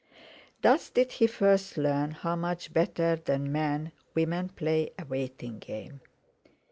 Thus did he first learn how much better than men women play a waiting game.